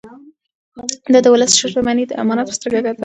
ده د ولس شتمني د امانت په سترګه کتل.